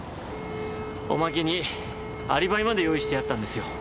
おまけにアリバイまで用意してあったんですよ。